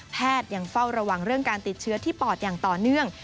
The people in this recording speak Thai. ยังเฝ้าระวังเรื่องการติดเชื้อที่ปอดอย่างต่อเนื่อง